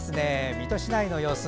水戸市内の様子。